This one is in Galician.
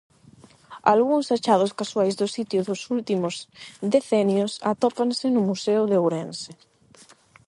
Algúns achados casuais do sitio dos últimos decenios atópanse no Museo de Ourense.